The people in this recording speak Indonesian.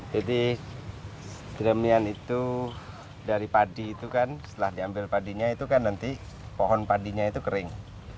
jadi kelemian itu dari padi itu kan setelah diambil padinya itu kan nanti pohon padinya itu kering